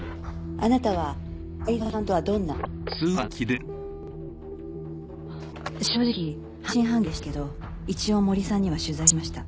あなたは藍沢さんとはどんな正直半信半疑でしたけど一応森さんには取材しました。